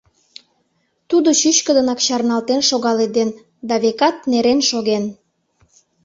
Тудо чӱчкыдынак чарналтен шогаледен да, векат, нерен шоген.